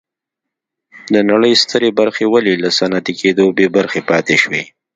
د نړۍ سترې برخې ولې له صنعتي کېدو بې برخې پاتې شوې.